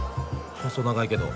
細長いけど。